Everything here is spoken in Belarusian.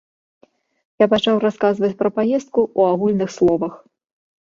Я пачаў расказваць пра паездку ў агульных словах.